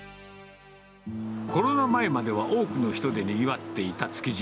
コロナ前までは多くの人でにぎわっていた築地。